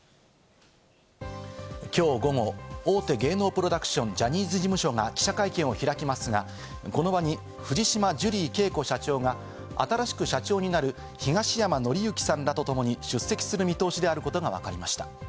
きょう午後、大手芸能プロダクション・ジャニーズ事務所が記者会見を開きますが、この場に藤島ジュリー景子社長が新しく社長になる東山紀之さんらと共に出席する見通しであることがわかりました。